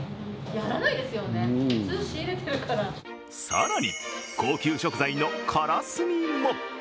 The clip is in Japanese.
更に、高級食材のカラスミも。